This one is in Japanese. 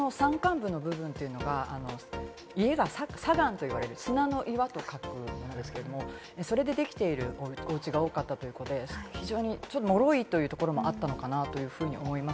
ここの山間部の部分というのは、家が砂岩と言われる、砂の岩と書くものなんですが、それでできているおうちが多かったということで、非常にもろいというところもあったのかなというふうに思います。